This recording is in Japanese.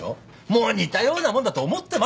もう似たようなもんだと思ってますでしょ。